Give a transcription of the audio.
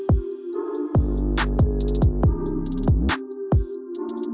อาณุธินทร์ชาญวีรกูลมอบว่าวิทยาลัยศาสตร์